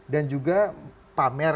dan juga pamer